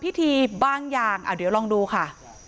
พิธีบางอย่างเดี๋ยวลองดูค่ะ